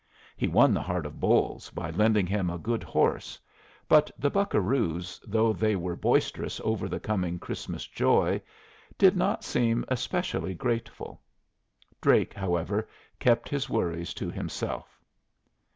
He won the heart of Bolles by lending him a good horse; but the buccaroos, though they were boisterous over the coming Christmas joy, did not seem especially grateful. Drake, however, kept his worries to himself.